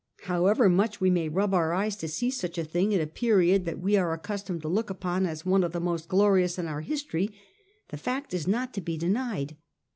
However much we may rub our eyes to see such a thing at a period that we are accustomed to look upon as one of the most glorious in our history, the fact is not to be denied.